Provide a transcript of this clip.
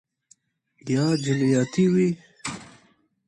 یا جنیاتي وي